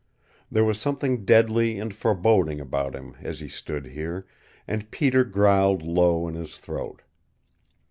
There was something deadly and foreboding about him as he stood here, and Peter growled low in his throat.